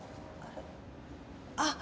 あっ！